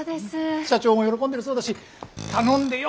社長も喜んでるそうだし頼んでよかったよ